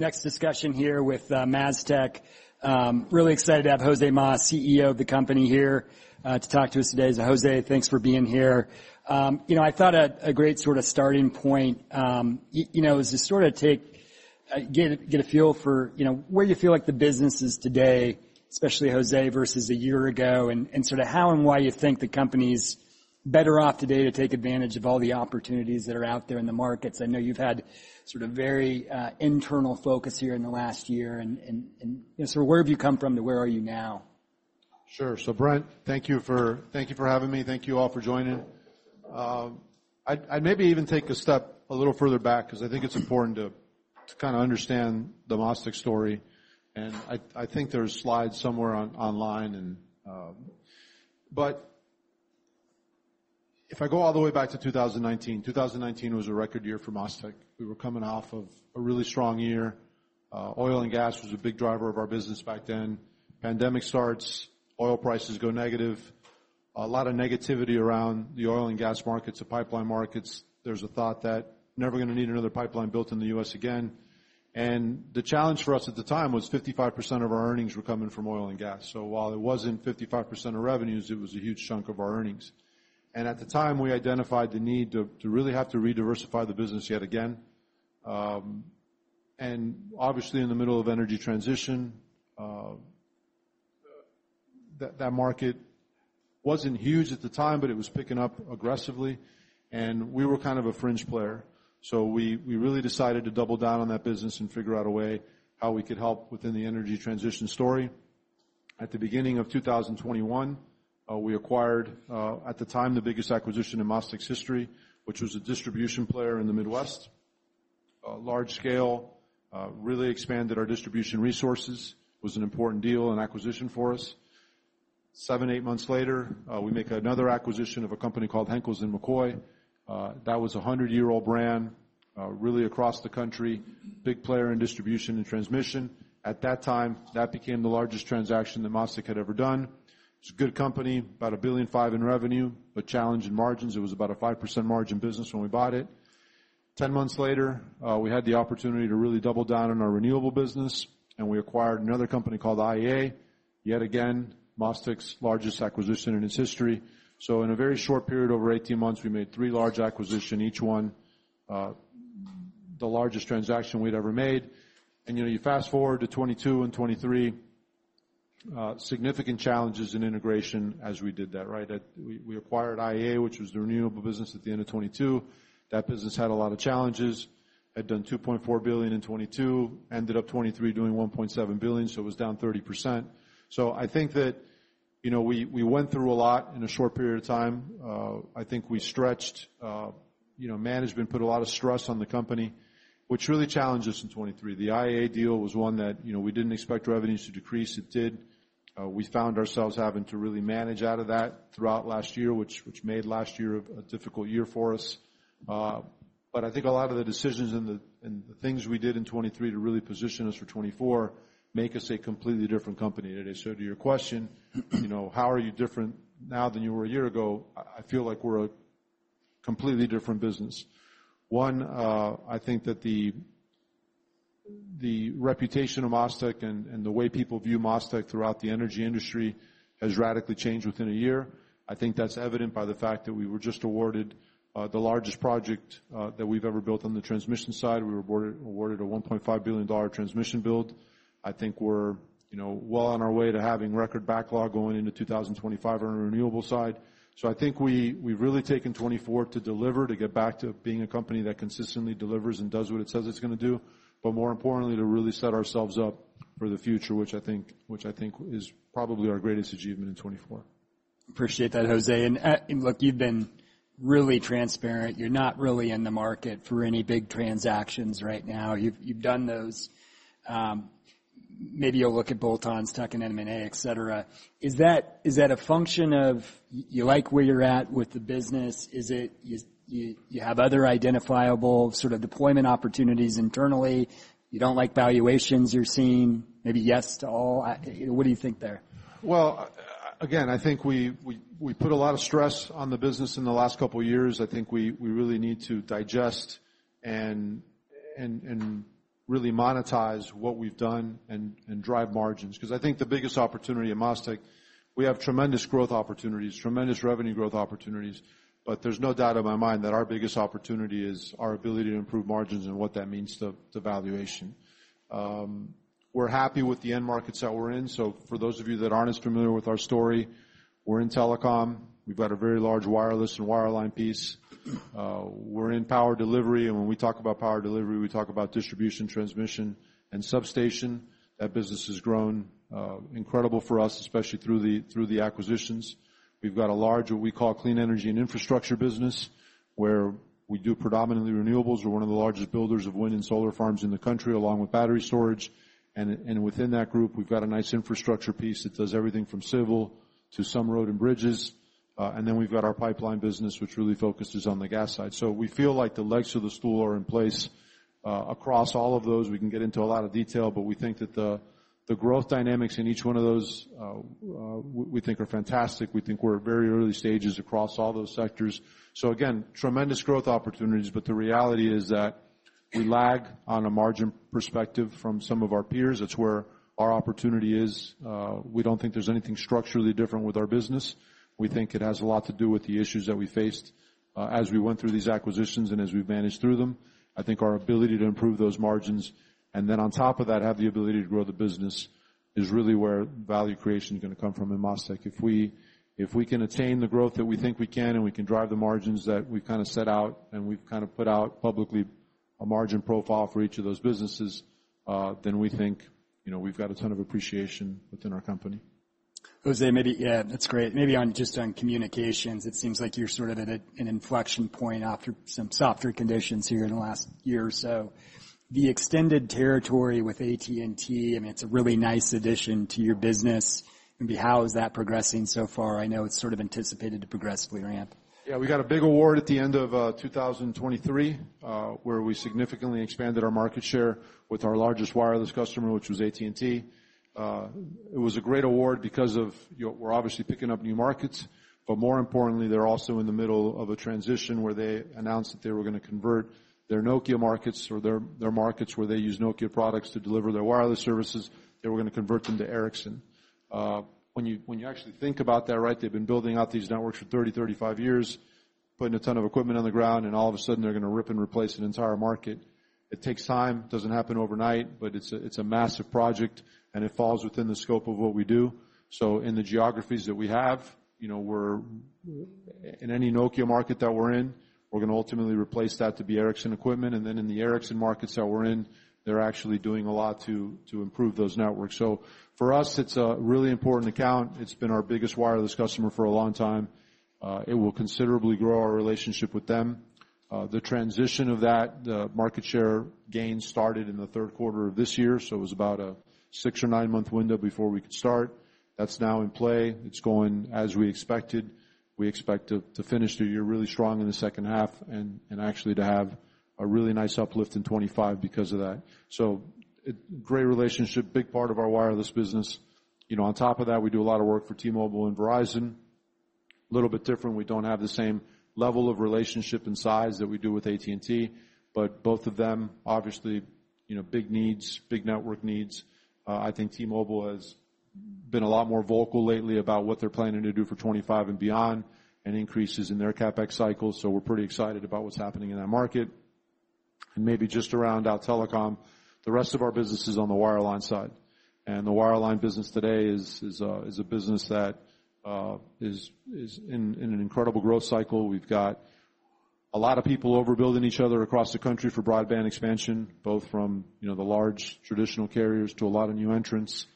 Next discussion here with MasTec. Really excited to have José Mas, CEO of the company, here to talk to us today. So José, thanks for being here. You know, I thought a great sort of starting point, you know, is to sort of take get a feel for, you know, where you feel like the business is today, especially José, versus a year ago, and sort of how and why you think the company's better off today to take advantage of all the opportunities that are out there in the markets. I know you've had sort of very internal focus here in the last year, and so where have you come from to where are you now? Sure. So, Brent, thank you for having me. Thank you all for joining. I'd maybe even take a step a little further back, 'cause I think it's important to kinda understand the MasTec story, and I think there's slides somewhere online. But if I go all the way back to 2019, 2019 was a record year for MasTec. We were coming off of a really strong year. Oil and gas was a big driver of our business back then. Pandemic starts, oil prices go negative. A lot of negativity around the oil and gas markets, the pipeline markets. There's a thought that never gonna need another pipeline built in the U.S. again. And the challenge for us at the time was 55% of our earnings were coming from oil and gas. So while it wasn't 55% of revenues, it was a huge chunk of our earnings. And at the time, we identified the need to really have to rediversify the business yet again. And obviously, in the middle of energy transition, that market wasn't huge at the time, but it was picking up aggressively, and we were kind of a fringe player. So we really decided to double down on that business and figure out a way how we could help within the energy transition story. At the beginning of 2021, we acquired, at the time, the biggest acquisition in MasTec's history, which was a distribution player in the Midwest. Large scale, really expanded our distribution resources, was an important deal and acquisition for us. Seven, eight months later, we make another acquisition of a company called Henkels & McCoy. That was a hundred-year-old brand, really across the country, big player in distribution and transmission. At that time, that became the largest transaction that MasTec had ever done. It's a good company, about $1.5 billion in revenue, but challenged in margins. It was about a 5% margin business when we bought it. 10 months later, we had the opportunity to really double down on our renewable business, and we acquired another company called IEA. Yet again, MasTec's largest acquisition in its history. So in a very short period, over 18 months, we made three large acquisition, each one, the largest transaction we'd ever made. You know, you fast forward to 2022 and 2023, significant challenges in integration as we did that, right? We acquired IEA, which was the renewable business, at the end of 2022. That business had a lot of challenges. Had done $2.4 billion in 2022, ended up in 2023 doing $1.7 billion, so it was down 30%. So I think that, you know, we went through a lot in a short period of time. I think we stretched, you know, management put a lot of stress on the company, which really challenged us in 2023. The IEA deal was one that, you know, we didn't expect revenues to decrease. It did. We found ourselves having to really manage out of that throughout last year, which made last year a difficult year for us. But I think a lot of the decisions and the things we did in 2023 to really position us for 2024 make us a completely different company today. So to your question, you know, how are you different now than you were a year ago? I, I feel like we're a completely different business. One, I think that the reputation of MasTec and the way people view MasTec throughout the energy industry has radically changed within a year. I think that's evident by the fact that we were just awarded the largest project that we've ever built on the transmission side. We were awarded a $1.5 billion transmission build. I think we're, you know, well on our way to having record backlog going into 2025 on our renewable side. I think we, we've really taken 2024 to deliver, to get back to being a company that consistently delivers and does what it says it's gonna do, but more importantly, to really set ourselves up for the future, which I think, which I think is probably our greatest achievement in 2024. Appreciate that, José. And, and look, you've been really transparent. You're not really in the market for any big transactions right now. You've done those. Maybe you'll look at bolt-ons, tuck-in, M&A, et cetera. Is that a function of you like where you're at with the business? Is it you have other identifiable sort of deployment opportunities internally? You don't like valuations you're seeing? Maybe yes to all. What do you think there? Well, again, I think we put a lot of stress on the business in the last couple of years. I think we really need to digest and really monetize what we've done and drive margins. 'Cause I think the biggest opportunity at MasTec, we have tremendous growth opportunities, tremendous revenue growth opportunities, but there's no doubt in my mind that our biggest opportunity is our ability to improve margins and what that means to valuation. We're happy with the end markets that we're in. So for those of you that aren't as familiar with our story, we're in telecom. We've got a very large wireless and wireline piece. We're in power delivery, and when we talk about power delivery, we talk about distribution, transmission, and substation. That business has grown incredible for us, especially through the acquisitions. We've got a large, what we call, clean energy and infrastructure business, where we do predominantly renewables. We're one of the largest builders of wind and solar farms in the country, along with battery storage, and within that group, we've got a nice infrastructure piece that does everything from civil to some road and bridges, and then we've got our pipeline business, which really focuses on the gas side, so we feel like the legs of the stool are in place across all of those. We can get into a lot of detail, but we think that the growth dynamics in each one of those are fantastic. We think we're at very early stages across all those sectors, so again, tremendous growth opportunities, but the reality is that. We lag on a margin perspective from some of our peers. That's where our opportunity is. We don't think there's anything structurally different with our business. We think it has a lot to do with the issues that we faced, as we went through these acquisitions and as we've managed through them. I think our ability to improve those margins, and then on top of that, have the ability to grow the business, is really where value creation is gonna come from in MasTec. If we, if we can attain the growth that we think we can, and we can drive the margins that we've kinda set out, and we've kinda put out publicly a margin profile for each of those businesses, then we think, you know, we've got a ton of appreciation within our company. José, maybe, yeah, that's great. Maybe on just on communications, it seems like you're sort of at an inflection point after some softer conditions here in the last year or so. The extended territory with AT&T, I mean, it's a really nice addition to your business, and how is that progressing so far? I know it's sort of anticipated to progressively ramp. Yeah, we got a big award at the end of 2023, where we significantly expanded our market share with our largest wireless customer, which was AT&T. It was a great award because of, you know, we're obviously picking up new markets, but more importantly, they're also in the middle of a transition where they announced that they were gonna convert their Nokia markets or their markets, where they use Nokia products to deliver their wireless services, they were gonna convert them to Ericsson. When you actually think about that, right, they've been building out these networks for 30-35 years, putting a ton of equipment on the ground, and all of a sudden they're gonna rip and replace an entire market. It takes time. It doesn't happen overnight, but it's a massive project, and it falls within the scope of what we do. So in the geographies that we have, you know, we're in any Nokia market that we're in, we're gonna ultimately replace that to be Ericsson equipment, and then in the Ericsson markets that we're in, they're actually doing a lot to improve those networks. So for us, it's a really important account. It's been our biggest wireless customer for a long time. It will considerably grow our relationship with them. The transition of that, the market share gain started in the third quarter of this year, so it was about a six- or nine-month window before we could start. That's now in play. It's going as we expected. We expect to finish the year really strong in the second half and actually to have a really nice uplift in 2025 because of that. So great relationship, big part of our wireless business. You know, on top of that, we do a lot of work for T-Mobile and Verizon. Little bit different. We don't have the same level of relationship and size that we do with AT&T, but both of them, obviously, you know, big needs, big network needs. I think T-Mobile has been a lot more vocal lately about what they're planning to do for 2025 and beyond, and increases in their CapEx cycle, so we're pretty excited about what's happening in that market. And maybe just to round out telecom, the rest of our business is on the wireline side, and the wireline business today is a business that is in an incredible growth cycle. We've got a lot of people overbuilding each other across the country for broadband expansion, both from, you know, the large traditional carriers to a lot of new entrants.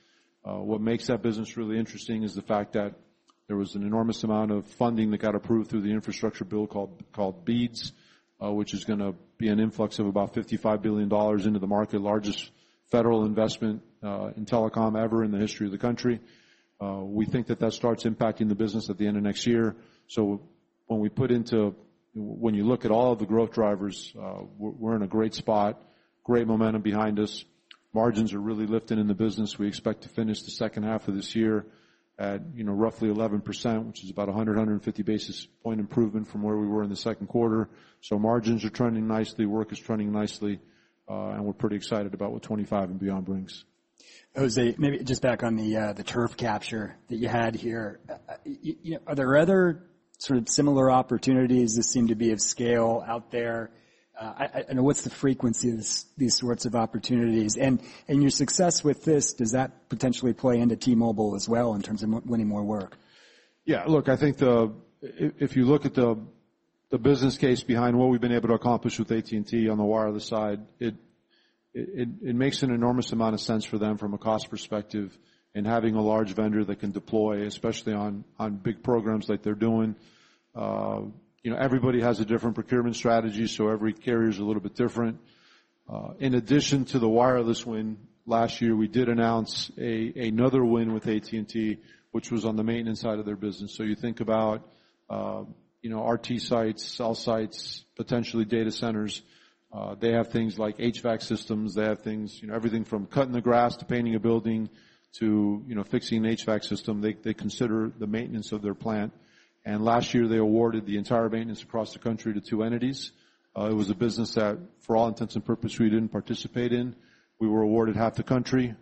What makes that business really interesting is the fact that there was an enormous amount of funding that got approved through the infrastructure bill called BEAD, which is gonna be an influx of about $55 billion into the market. Largest federal investment in telecom ever in the history of the country. We think that that starts impacting the business at the end of next year. So when we put into... When you look at all of the growth drivers, we're in a great spot, great momentum behind us. Margins are really lifting in the business. We expect to finish the second half of this year at, you know, roughly 11%, which is about 150 basis point improvement from where we were in the second quarter. Margins are trending nicely, work is trending nicely, and we're pretty excited about what 2025 and beyond brings. José, maybe just back on the turf capture that you had here. You know, are there other sort of similar opportunities that seem to be of scale out there? And what's the frequency of these sorts of opportunities? And your success with this, does that potentially play into T-Mobile as well in terms of winning more work? Yeah, look, I think if you look at the business case behind what we've been able to accomplish with AT&T on the wireless side, it makes an enormous amount of sense for them from a cost perspective and having a large vendor that can deploy, especially on big programs like they're doing. You know, everybody has a different procurement strategy, so every carrier is a little bit different. In addition to the wireless win, last year, we did announce another win with AT&T, which was on the maintenance side of their business. So you think about RT sites, cell sites, potentially data centers. They have things like HVAC systems. They have things, you know, everything from cutting the grass to painting a building to, you know, fixing an HVAC system. They, they consider the maintenance of their plant, and last year they awarded the entire maintenance across the country to two entities. It was a business that, for all intents and purposes, we didn't participate in. We were awarded half the country.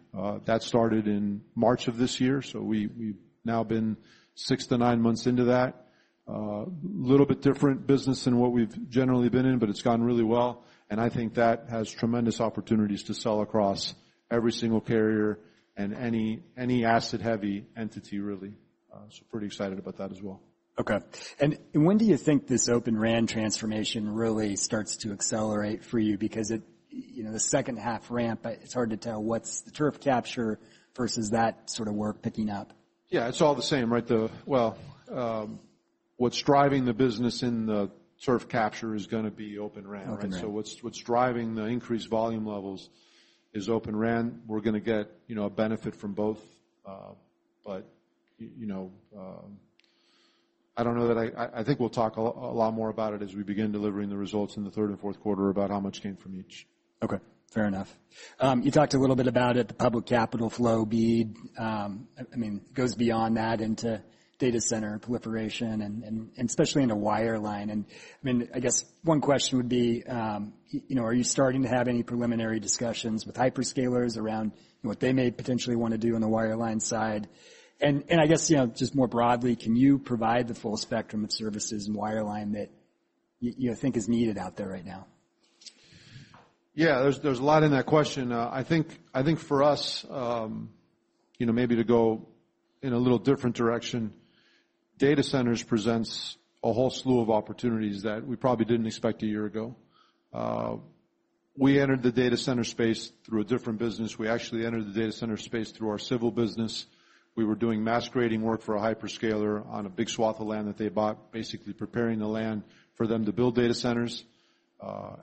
That started in March of this year, so we, we've now been six to nine months into that. Little bit different business than what we've generally been in, but it's gone really well, and I think that has tremendous opportunities to sell across every single carrier and any, any asset-heavy entity, really. So pretty excited about that as well. Okay. And when do you think this Open RAN transformation really starts to accelerate for you? Because it, you know, the second half ramp, it's hard to tell what's the turf capture versus that sort of work picking up. Yeah, it's all the same, right? The... Well, what's driving the business in the turf capture is gonna be Open RAN, right? Open RAN. So what's driving the increased volume levels is Open RAN. We're gonna get, you know, a benefit from both, but, you know, I don't know that I think we'll talk a lot more about it as we begin delivering the results in the third and fourth quarter about how much came from each. Okay, fair enough. You talked a little bit about it, the public capital flow BEAD. I mean, it goes beyond that into data center proliferation and especially in the wireline. And, I mean, I guess one question would be, you know, are you starting to have any preliminary discussions with hyperscalers around what they may potentially want to do on the wireline side? And, I guess, you know, just more broadly, can you provide the full spectrum of services and wireline that you think is needed out there right now? Yeah, there's a lot in that question. I think for us, you know, maybe to go in a little different direction, data centers presents a whole slew of opportunities that we probably didn't expect a year ago. We entered the data center space through a different business. We actually entered the data center space through our civil business. We were doing mass grading work for a hyperscaler on a big swath of land that they bought, basically preparing the land for them to build data centers.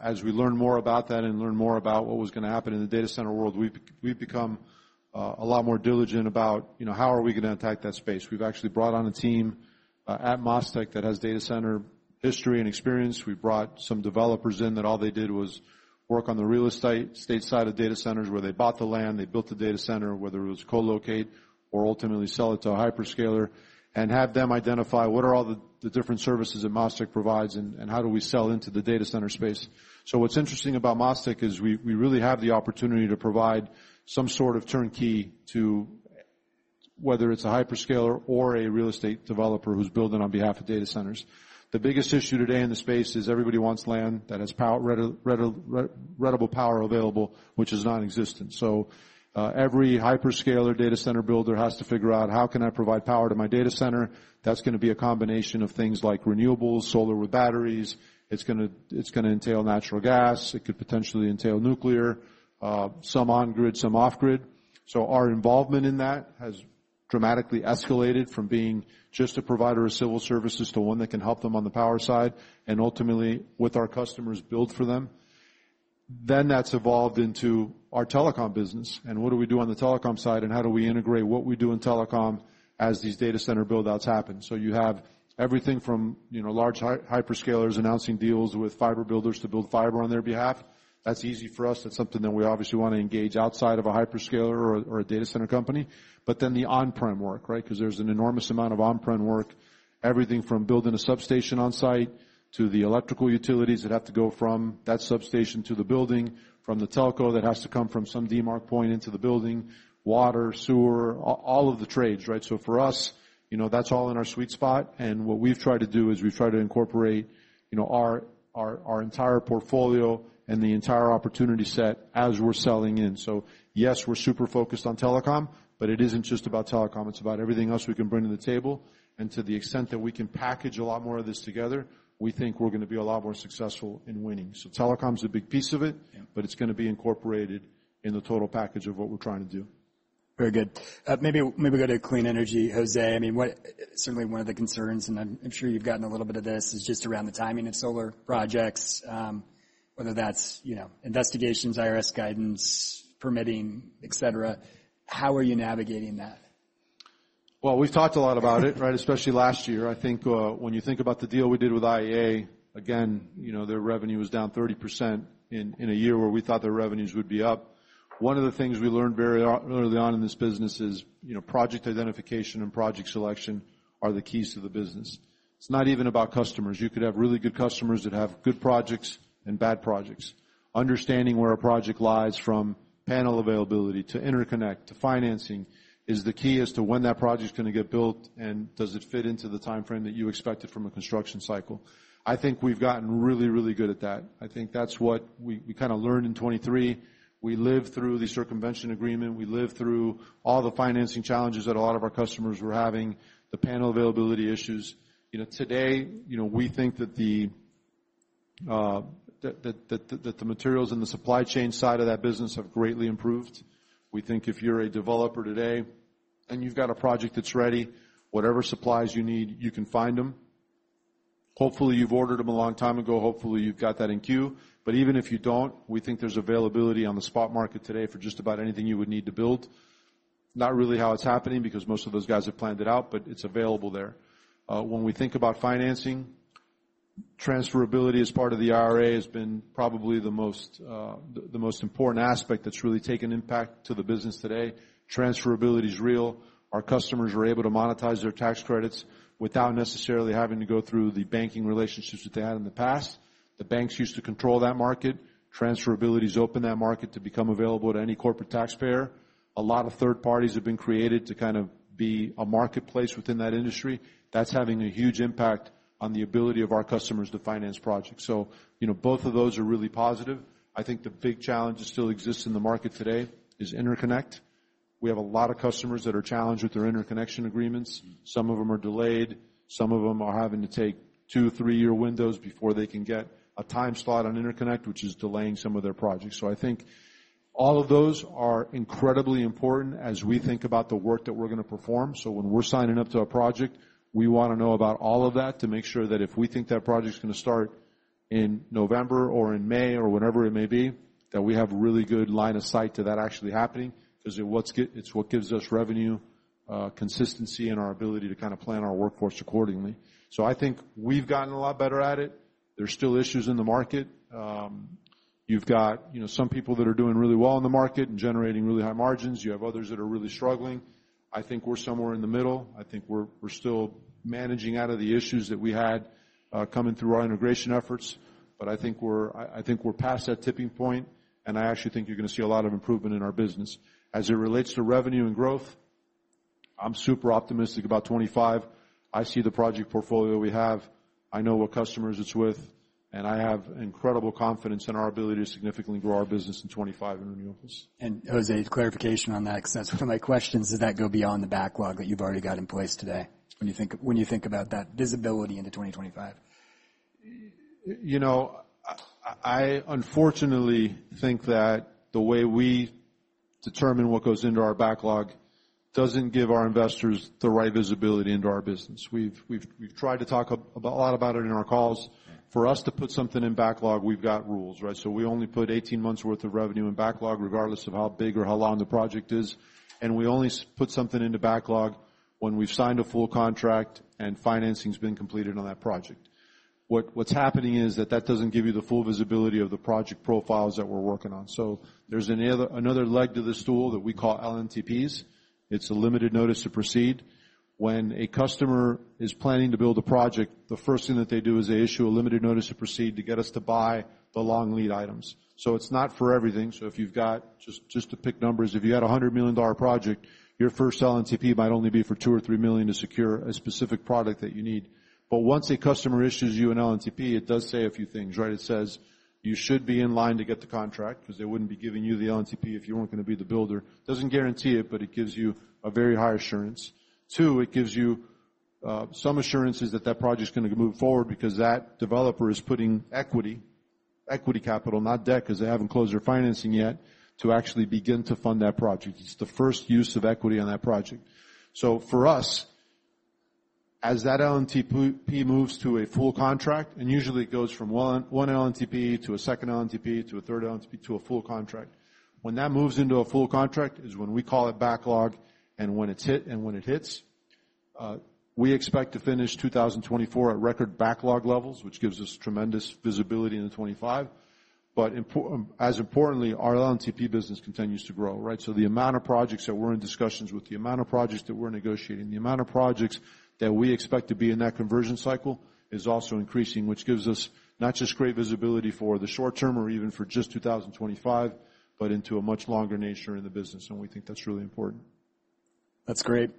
As we learned more about that and learned more about what was gonna happen in the data center world, we've become a lot more diligent about, you know, how are we gonna attack that space? We've actually brought on a team at MasTec that has data center history and experience. We've brought some developers in that all they did was work on the real estate side of data centers, where they bought the land, they built the data center, whether it was co-locate or ultimately sell it to a hyperscaler and have them identify what are all the different services that MasTec provides, and how do we sell into the data center space. So what's interesting about MasTec is we really have the opportunity to provide some sort of turnkey to whether it's a hyperscaler or a real estate developer who's building on behalf of data centers. The biggest issue today in the space is everybody wants land that has power, reliable power available, which is nonexistent, so every hyperscaler data center builder has to figure out, how can I provide power to my data center? That's gonna be a combination of things like renewables, solar with batteries. It's gonna entail natural gas. It could potentially entail nuclear, some on grid, some off grid. So our involvement in that has dramatically escalated from being just a provider of civil services to one that can help them on the power side and ultimately with our customers, build for them. Then that's evolved into our telecom business. And what do we do on the telecom side, and how do we integrate what we do in telecom as these data center build-outs happen? So you have everything from, you know, large hyperscalers announcing deals with fiber builders to build fiber on their behalf. That's easy for us. That's something that we obviously want to engage outside of a hyperscaler or a data center company. But then the on-prem work, right? Because there's an enormous amount of on-prem work, everything from building a substation on site to the electrical utilities that have to go from that substation to the building, from the telco that has to come from some demarc point into the building, water, sewer, all, all of the trades, right? So for us, you know, that's all in our sweet spot, and what we've tried to do is we've tried to incorporate, you know, our entire portfolio and the entire opportunity set as we're selling in. So yes, we're super focused on telecom, but it isn't just about telecom. It's about everything else we can bring to the table, and to the extent that we can package a lot more of this together, we think we're gonna be a lot more successful in winning. So telecom's a big piece of it- Yeah. But it's gonna be incorporated in the total package of what we're trying to do. Very good. Maybe we'll go to clean energy, José. I mean, what... Certainly, one of the concerns, and I'm sure you've gotten a little bit of this, is just around the timing of solar projects, whether that's, you know, investigations, IRS guidance, permitting, et cetera. How are you navigating that? We've talked a lot about it, right? Especially last year. I think when you think about the deal we did with IEA, again, you know, their revenue was down 30% in a year where we thought their revenues would be up. One of the things we learned very early on in this business is, you know, project identification and project selection are the keys to the business. It's not even about customers. You could have really good customers that have good projects and bad projects. Understanding where a project lies, from panel availability, to interconnect, to financing, is the key as to when that project's gonna get built, and does it fit into the timeframe that you expected from a construction cycle? I think we've gotten really, really good at that. I think that's what we kinda learned in 2023. We lived through the circumvention agreement. We lived through all the financing challenges that a lot of our customers were having, the panel availability issues. You know, today, you know, we think that the materials in the supply chain side of that business have greatly improved. We think if you're a developer today and you've got a project that's ready, whatever supplies you need, you can find them. Hopefully, you've ordered them a long time ago. Hopefully, you've got that in queue, but even if you don't, we think there's availability on the spot market today for just about anything you would need to build. Not really how it's happening, because most of those guys have planned it out, but it's available there. When we think about financing, transferability as part of the IRA has been probably the most important aspect that's really taken impact to the business today. Transferability is real. Our customers are able to monetize their tax credits without necessarily having to go through the banking relationships that they had in the past. The banks used to control that market. Transferability's opened that market to become available to any corporate taxpayer. A lot of third parties have been created to kind of be a marketplace within that industry. That's having a huge impact on the ability of our customers to finance projects. So, you know, both of those are really positive. I think the big challenge that still exists in the market today is interconnect. We have a lot of customers that are challenged with their interconnection agreements. Some of them are delayed, some of them are having to take two, three-year windows before they can get a time slot on interconnect, which is delaying some of their projects. So I think all of those are incredibly important as we think about the work that we're gonna perform. So when we're signing up to a project, we wanna know about all of that to make sure that if we think that project's gonna start in November or in May or whenever it may be, that we have a really good line of sight to that actually happening, 'cause it, it's what gives us revenue, consistency, and our ability to kinda plan our workforce accordingly. So I think we've gotten a lot better at it. There's still issues in the market... You've got, you know, some people that are doing really well in the market and generating really high margins. You have others that are really struggling. I think we're somewhere in the middle. I think we're still managing out of the issues that we had coming through our integration efforts. But I think we're past that tipping point, and I actually think you're gonna see a lot of improvement in our business. As it relates to revenue and growth, I'm super optimistic about 2025. I see the project portfolio we have, I know what customers it's with, and I have incredible confidence in our ability to significantly grow our business in 2025 and in the office. José, clarification on that, 'cause that's one of my questions. Does that go beyond the backlog that you've already got in place today, when you think about that visibility into 2025? You know, I unfortunately think that the way we determine what goes into our backlog doesn't give our investors the right visibility into our business. We've tried to talk a lot about it in our calls. For us to put something in backlog, we've got rules, right? So we only put eighteen months worth of revenue in backlog, regardless of how big or how long the project is, and we only put something into backlog when we've signed a full contract and financing's been completed on that project. What's happening is that doesn't give you the full visibility of the project profiles that we're working on. So there's another leg to this stool that we call LNTPs. It's a limited notice to proceed. When a customer is planning to build a project, the first thing that they do is they issue a limited notice to proceed to get us to buy the long lead items. So it's not for everything. So if you've got... Just, just to pick numbers, if you had a $100 million project, your first LNTP might only be for $2 million or $3 million to secure a specific product that you need. But once a customer issues you an LNTP, it does say a few things, right? It says, you should be in line to get the contract, 'cause they wouldn't be giving you the LNTP if you weren't gonna be the builder. Doesn't guarantee it, but it gives you a very high assurance. Two, it gives you some assurances that that project's gonna move forward because that developer is putting equity, equity capital, not debt, 'cause they haven't closed their financing yet, to actually begin to fund that project. It's the first use of equity on that project. So for us, as that LNTP moves to a full contract, and usually it goes from one LNTP to a second LNTP, to a third LNTP, to a full contract. When that moves into a full contract, is when we call it backlog, and when it hits, we expect to finish 2024 at record backlog levels, which gives us tremendous visibility into 2025. But as importantly, our LNTP business continues to grow, right? So the amount of projects that we're in discussions with, the amount of projects that we're negotiating, the amount of projects that we expect to be in that conversion cycle, is also increasing, which gives us not just great visibility for the short term or even for just 2025, but into a much longer nature in the business, and we think that's really important. That's great.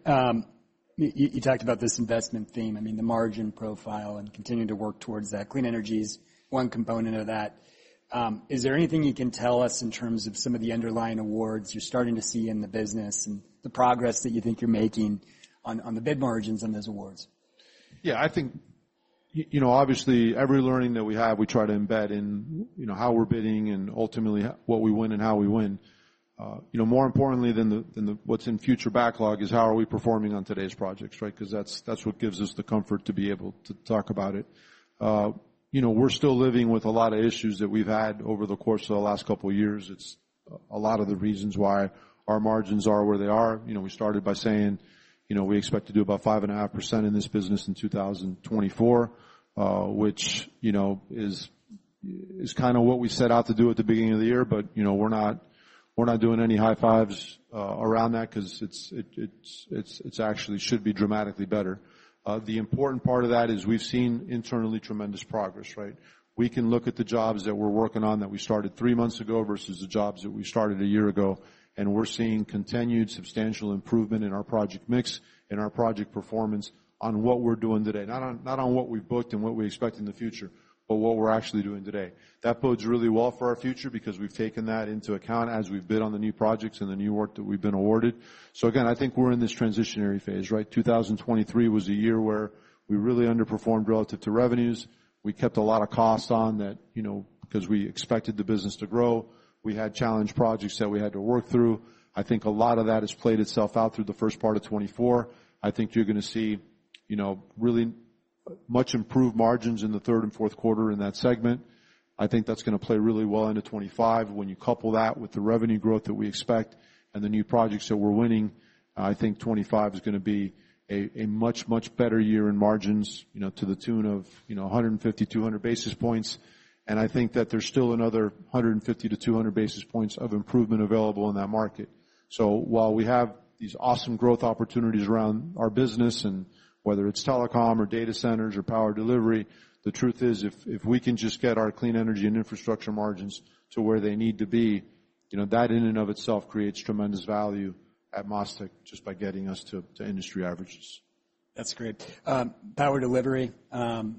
You talked about this investment theme, I mean, the margin profile and continuing to work towards that. Clean energy is one component of that. Is there anything you can tell us in terms of some of the underlying awards you're starting to see in the business and the progress that you think you're making on the bid margins on those awards? Yeah, I think, you know, obviously, every learning that we have, we try to embed in, you know, how we're bidding and ultimately, what we win and how we win. You know, more importantly than what's in future backlog is how are we performing on today's projects, right? 'Cause that's what gives us the comfort to be able to talk about it. You know, we're still living with a lot of issues that we've had over the course of the last couple of years. It's a lot of the reasons why our margins are where they are. You know, we started by saying, you know, we expect to do about 5.5% in this business in 2024, which, you know, is kinda what we set out to do at the beginning of the year. But, you know, we're not, we're not doing any high fives around that 'cause it's actually should be dramatically better. The important part of that is we've seen internally tremendous progress, right? We can look at the jobs that we're working on that we started three months ago versus the jobs that we started a year ago, and we're seeing continued substantial improvement in our project mix and our project performance on what we're doing today, not on what we've booked and what we expect in the future, but what we're actually doing today. That bodes really well for our future because we've taken that into account as we've bid on the new projects and the new work that we've been awarded. So again, I think we're in this transitional phase, right? 2023 was a year where we really underperformed relative to revenues. We kept a lot of costs on that, you know, because we expected the business to grow. We had challenged projects that we had to work through. I think a lot of that has played itself out through the first part of 2024. I think you're gonna see, you know, really much improved margins in the third and fourth quarter in that segment. I think that's gonna play really well into 2025. When you couple that with the revenue growth that we expect and the new projects that we're winning, I think 2025 is gonna be a much, much better year in margins, you know, to the tune of, you know, 150-200 basis points, and I think that there's still another 150-200 basis points of improvement available in that market. So while we have these awesome growth opportunities around our business, and whether it's telecom or data centers or power delivery, the truth is, if we can just get our clean energy and infrastructure margins to where they need to be, you know, that in and of itself creates tremendous value at MasTec, just by getting us to industry averages. That's great. Power delivery, you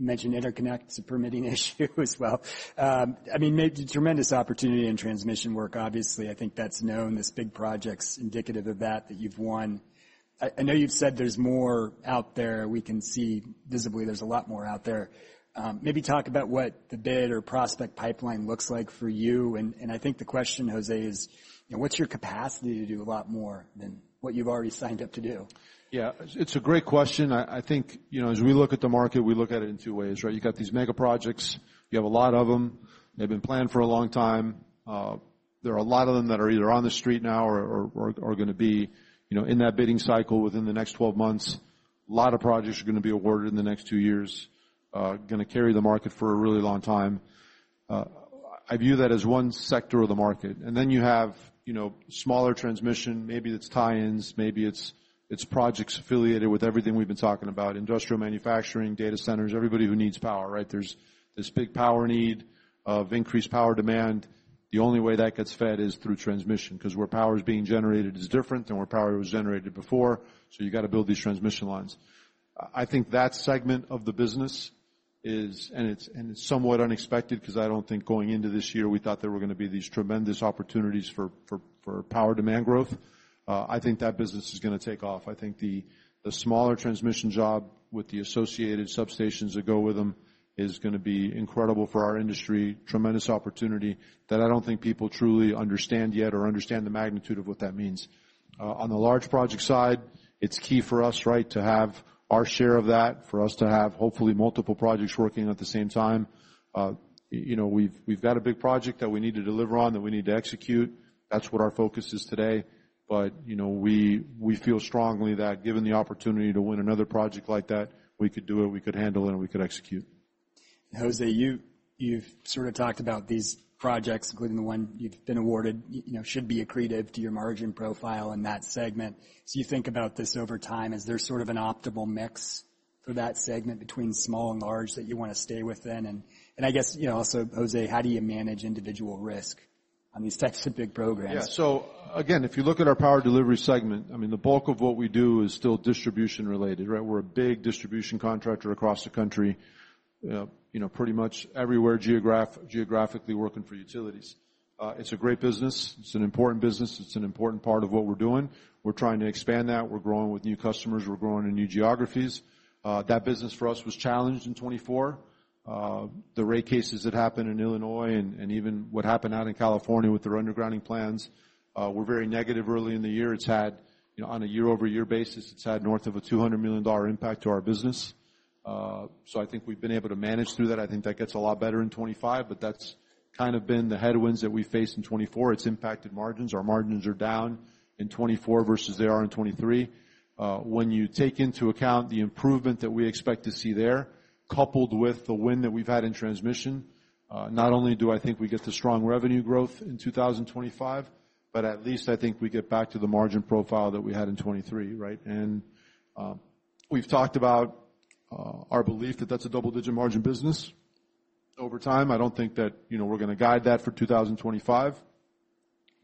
mentioned interconnect, it's a permitting issue as well. I mean, tremendous opportunity in transmission work. Obviously, I think that's known, this big project's indicative of that you've won. I know you've said there's more out there. We can see visibly there's a lot more out there. Maybe talk about what the bid or prospect pipeline looks like for you. And I think the question, José, is, you know, what's your capacity to do a lot more than what you've already signed up to do? Yeah, it's a great question. I think, you know, as we look at the market, we look at it in two ways, right? You got these mega projects. You have a lot of them. They've been planned for a long time. There are a lot of them that are either on the street now or are gonna be, you know, in that bidding cycle within the next twelve months. A lot of projects are going to be awarded in the next two years, gonna carry the market for a really long time. I view that as one sector of the market, and then you have, you know, smaller transmission. Maybe it's tie-ins, maybe it's projects affiliated with everything we've been talking about, industrial manufacturing, data centers, everybody who needs power, right? There's this big power need of increased power demand. The only way that gets fed is through transmission, 'cause where power is being generated is different than where power was generated before, so you got to build these transmission lines. I think that segment of the business is and it's somewhat unexpected 'cause I don't think going into this year, we thought there were gonna be these tremendous opportunities for power demand growth. I think that business is gonna take off. I think the smaller transmission job with the associated substations that go with them is gonna be incredible for our industry. Tremendous opportunity that I don't think people truly understand yet or understand the magnitude of what that means. On the large project side, it's key for us, right, to have our share of that, for us to have, hopefully, multiple projects working at the same time. You know, we've got a big project that we need to deliver on, that we need to execute. That's what our focus is today. But, you know, we feel strongly that given the opportunity to win another project like that, we could do it, we could handle it, and we could execute. José, you've sort of talked about these projects, including the one you've been awarded, you know, should be accretive to your margin profile in that segment. So you think about this over time, is there sort of an optimal mix for that segment between small and large that you want to stay within? And I guess, you know, also, José, how do you manage individual risk on these types of big programs? Yeah. So again, if you look at our power delivery segment, I mean, the bulk of what we do is still distribution-related, right? We're a big distribution contractor across the country, you know, pretty much everywhere geographically working for utilities. It's a great business. It's an important business. It's an important part of what we're doing. We're trying to expand that. We're growing with new customers. We're growing in new geographies. That business for us was challenged in 2024. The rate cases that happened in Illinois and even what happened out in California with their undergrounding plans were very negative early in the year. It's had, you know, on a year-over-year basis, it's had north of $200 million impact to our business. So I think we've been able to manage through that. I think that gets a lot better in 2025, but that's kind of been the headwinds that we faced in 2024. It's impacted margins. Our margins are down in 2024 versus they are in 2023. When you take into account the improvement that we expect to see there, coupled with the tailwind that we've had in transmission, not only do I think we get the strong revenue growth in 2025, but at least I think we get back to the margin profile that we had in 2023, right? And, we've talked about, our belief that that's a double-digit margin business over time. I don't think that, you know, we're gonna guide that for 2025,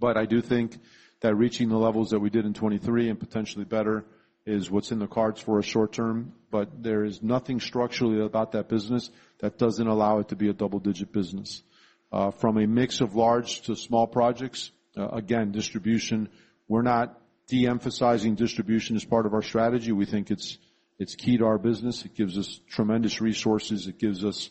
but I do think that reaching the levels that we did in 2023 and potentially better is what's in the cards for a short term. But there is nothing structurally about that business that doesn't allow it to be a double-digit business. From a mix of large to small projects, again, distribution, we're not de-emphasizing distribution as part of our strategy. We think it's key to our business. It gives us tremendous resources. It gives us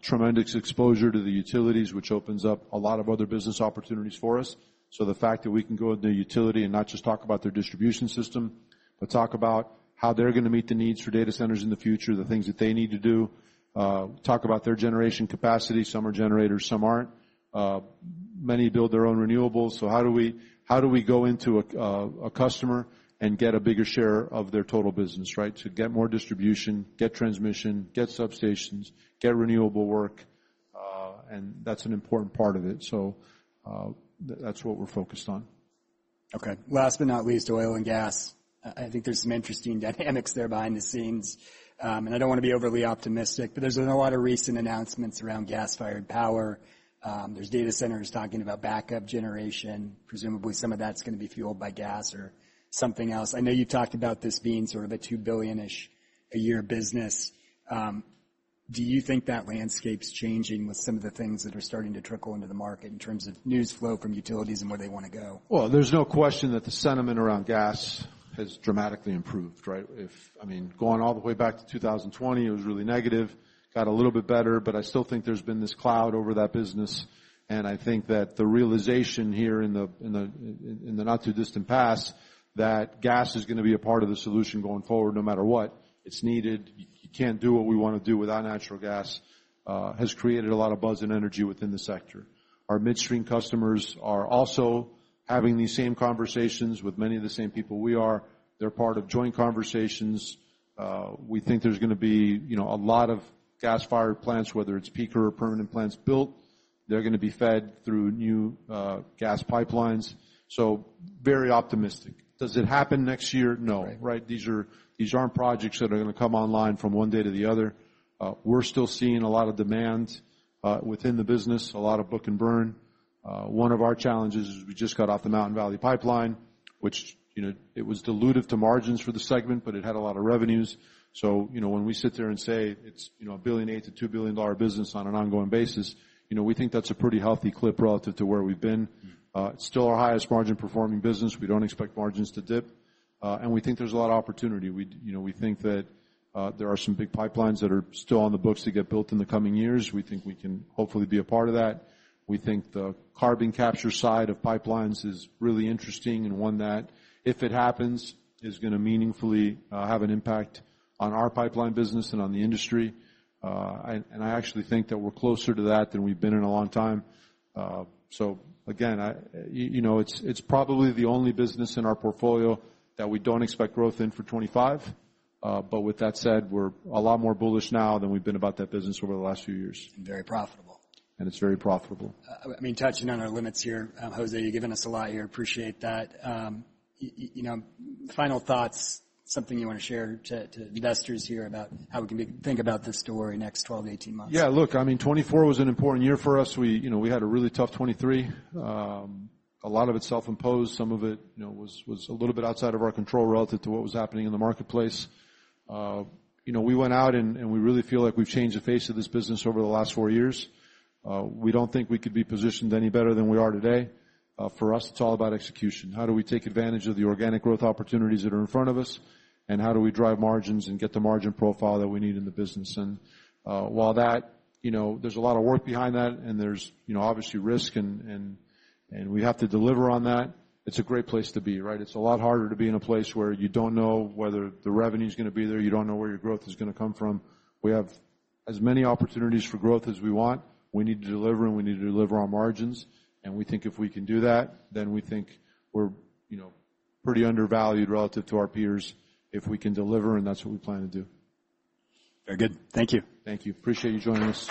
tremendous exposure to the utilities, which opens up a lot of other business opportunities for us. So the fact that we can go to a utility and not just talk about their distribution system, but talk about how they're gonna meet the needs for data centers in the future, the things that they need to do, talk about their generation capacity. Some are generators, some aren't. Many build their own renewables. So how do we go into a customer and get a bigger share of their total business, right? To get more distribution, get transmission, get substations, get renewable work, and that's an important part of it. So, that's what we're focused on. Okay, last but not least, oil and gas. I think there's some interesting dynamics there behind the scenes, and I don't want to be overly optimistic, but there's been a lot of recent announcements around gas-fired power. There's data centers talking about backup generation. Presumably, some of that's gonna be fueled by gas or something else. I know you talked about this being sort of a two billion-ish a year business. Do you think that landscape's changing with some of the things that are starting to trickle into the market in terms of news flow from utilities and where they wanna go? Well, there's no question that the sentiment around gas has dramatically improved, right? I mean, going all the way back to 2020, it was really negative. Got a little bit better, but I still think there's been this cloud over that business, and I think that the realization here in the not-too-distant past, that gas is gonna be a part of the solution going forward, no matter what. It's needed. You can't do what we want to do without natural gas has created a lot of buzz and energy within the sector. Our midstream customers are also having these same conversations with many of the same people we are. They're part of joint conversations. We think there's gonna be, you know, a lot of gas-fired plants, whether it's peaker or permanent plants built, they're gonna be fed through new gas pipelines. So very optimistic. Does it happen next year? No. Right. Right. These aren't projects that are gonna come online from one day to the other. We're still seeing a lot of demand within the business, a lot of book and burn. One of our challenges is we just got off the Mountain Valley Pipeline, which, you know, it was dilutive to margins for the segment, but it had a lot of revenues. So, you know, when we sit there and say it's, you know, a billion eight to two billion dollar business on an ongoing basis, you know, we think that's a pretty healthy clip relative to where we've been. It's still our highest margin-performing business. We don't expect margins to dip, and we think there's a lot of opportunity. We, you know, we think that there are some big pipelines that are still on the books to get built in the coming years. We think we can hopefully be a part of that. We think the carbon capture side of pipelines is really interesting and one that, if it happens, is gonna meaningfully have an impact on our pipeline business and on the industry. And I actually think that we're closer to that than we've been in a long time. So again, you know, it's probably the only business in our portfolio that we don't expect growth in for 2025. But with that said, we're a lot more bullish now than we've been about that business over the last few years. And very profitable. It's very profitable. I mean, touching on our limits here, José, you've given us a lot here. Appreciate that. You know, final thoughts, something you want to share to investors here about how we can think about this story next twelve to eighteen months? Yeah, look, I mean, 2024 was an important year for us. We, you know, we had a really tough 2023. A lot of it self-imposed. Some of it, you know, was a little bit outside of our control relative to what was happening in the marketplace. You know, we went out, and we really feel like we've changed the face of this business over the last four years. We don't think we could be positioned any better than we are today. For us, it's all about execution. How do we take advantage of the organic growth opportunities that are in front of us? And how do we drive margins and get the margin profile that we need in the business? While that, you know, there's a lot of work behind that, and there's, you know, obviously risk and we have to deliver on that. It's a great place to be, right? It's a lot harder to be in a place where you don't know whether the revenue is gonna be there. You don't know where your growth is gonna come from. We have as many opportunities for growth as we want. We need to deliver, and we need to deliver on margins, and we think if we can do that, then we think we're, you know, pretty undervalued relative to our peers if we can deliver, and that's what we plan to do. Very good. Thank you. Thank you. Appreciate you joining us.